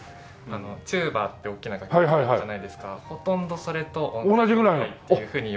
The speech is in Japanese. チューバって大きな楽器あるじゃないですかほとんどそれと同じぐらいっていうふうにいわれて。